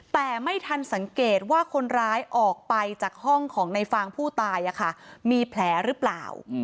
แต่ไม่ทันสังเกตว่าคนร้ายออกไปจากห้องของในฟางผู้ตายมีแผลหรือเปล่า